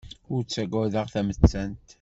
Ur ttagadeɣ tamettant.